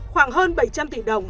khoảng hơn bảy trăm linh tỷ đồng